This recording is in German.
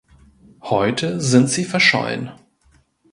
Heute sind sie verschollen.